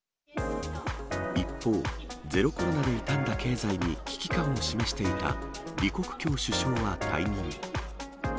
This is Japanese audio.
一方、ゼロコロナで傷んだ経済に危機感を示していた李克強首相は退任。